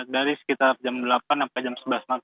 dari sekitar jam delapan sampai jam sebelas